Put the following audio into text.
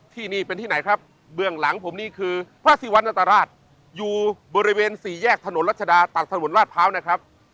ที่นี่เป็นที่ไหนครับเบื้องหลังผมนี่คือพระศิวรรณตราชอยู่บริเวณสี่แยกถนนรัชดาตักถนนราชพร้าวนะครับ